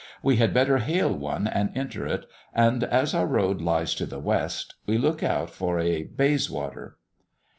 We had better hail one and enter it, and as our road lies to the West, we look out for a "Bayswater."